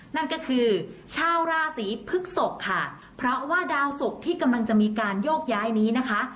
นั่นก็คือชาวราศีพฤกษกค่ะเพราะว่าดาวศุกร์ที่กำลังจะมีการโยกย้ายนี้นะคะ